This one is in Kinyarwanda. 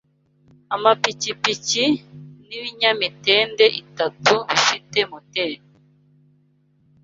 Amapikipiki n'ibinyamitende itatu bifite moteri